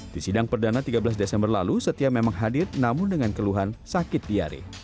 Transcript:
di sidang perdana tiga belas desember lalu setia memang hadir namun dengan keluhan sakit diare